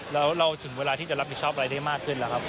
แล้วเราถึงเวลาที่จะรับผิดชอบอะไรได้มากขึ้นแล้วครับ